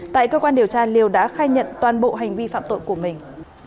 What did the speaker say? tại cơ quan điều tra liêu đã khai nhận toàn bộ hành vi phạm tội của mình